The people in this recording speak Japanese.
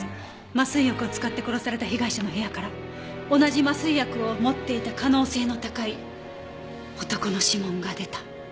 麻酔薬を使って殺された被害者の部屋から同じ麻酔薬を持っていた可能性の高い男の指紋が出た。